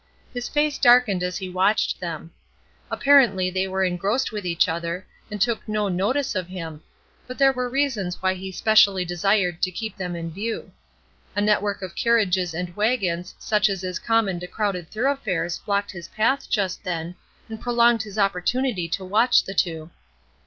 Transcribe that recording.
His face darkened as he watched them. Apparently they were engrossed with each other, and took no notice of him; but there were reasons why he specially desired to keep them in view. A network of carriages and wagons such as is common to crowded thoroughfares blocked his path just then, and prolonged his opportunity to watch the two.